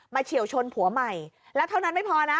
เฉียวชนผัวใหม่แล้วเท่านั้นไม่พอนะ